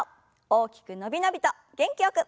大きく伸び伸びと元気よく。